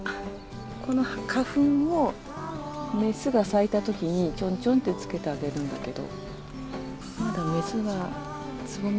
この花粉をメスが咲いたときにちょんちょんって付けてあげるんだけど。